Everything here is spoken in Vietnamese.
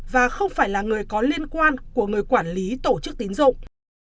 và không phải là người có liên quan của người quản lý tổ chức tín dụng